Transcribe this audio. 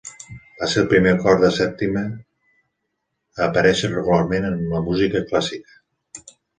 Va ser el primer acord de sèptima a aparèixer regularment en la música clàssica.